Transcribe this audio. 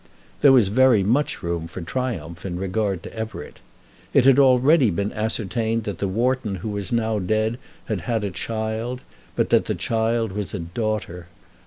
There was very much room for triumph in regard to Everett. It had already been ascertained that the Wharton who was now dead had had a child, but that the child was a daughter.